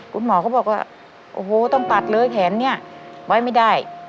คุณหมอก็บอกว่าโอ้โหต้องตัดเลยแขนเนี่ยไว้ไม่ได้